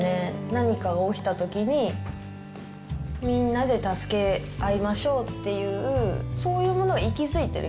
何かが起きたときに、みんなで助け合いましょうっていう、そういうものが息づいている。